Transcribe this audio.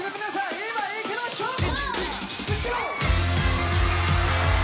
今いきましょうか！